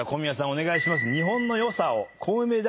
お願いします。